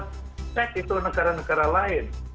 cek itu negara negara lain